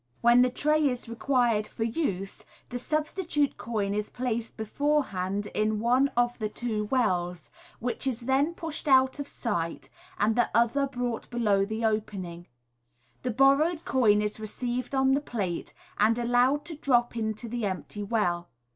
When the tray is required for use, the substitute coin is placed beforehand in one of the two wells, which is then pushed out of sight, and the other brought below the opening. The borrowed coin is received on the plate, and allowed to drop into the empty well.